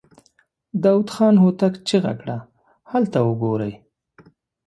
داوود خان هوتک چيغه کړه! هلته وګورئ!